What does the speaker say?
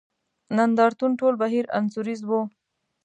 نند ارتون ټول بهیر انځوریز وو.